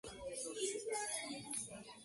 Walter Thompson de Ecuador.